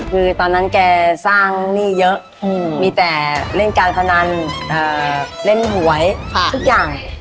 คือตอนนั้นแกสร้างหนี้เยอะมีแต่เล่นการพนันเล่นหวยทุกอย่าง